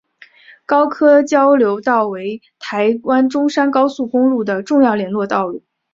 高科交流道为台湾中山高速公路的重要联络道路。